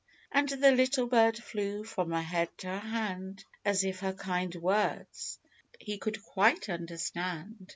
And the little bird flew from her head to her hand, As if her kind words he could quite understand.